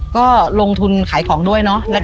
ก็ลงทุนขายของด้วยเนาะ